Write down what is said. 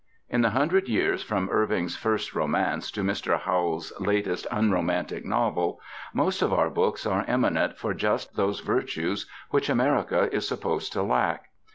In the hundred years from Irving's first romance to Mr. Howells's latest unromantic novel, most of our books are eminent for just those virtues which America is supposed to lack.